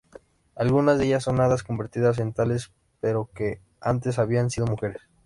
Algunas de ellas son hadas convertidas en tales pero que antes habían sido mujeres.